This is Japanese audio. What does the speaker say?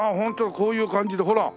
こういう感じでほら。